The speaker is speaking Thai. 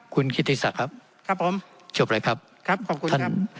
คุณกิติศักดิ์ครับครับผมจบเลยครับครับขอบคุณครับ